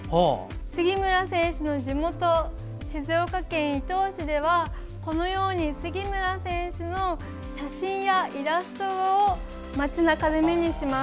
杉村選手の地元静岡県伊東市ではこのように杉村選手の写真やイラストを町なかで目にします。